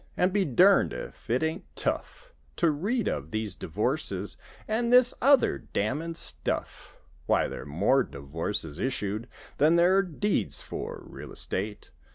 An' be durned if it ain't tough To read of these divorces An' this other damnin' stuff. Why, there're more divorces issued Than there're deeds for real estate.